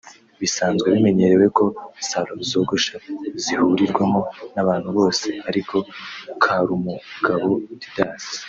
Bisanzwe bimenyerewe ko Salo zogosha zihurirwamo n’abantu bose ariko Karumugabo Didas